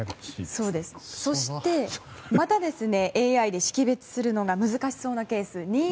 そして、またＡＩで識別するのが難しそうなケース。